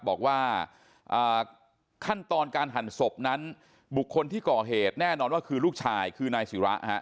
บอกว่าขั้นตอนการหั่นศพนั้นบุคคลที่ก่อเหตุแน่นอนว่าคือลูกชายคือนายศิระฮะ